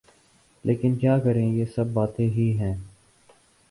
لیکن کیا کریں یہ سب باتیں ہی ہیں۔